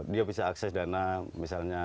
dia bisa akses dana misalnya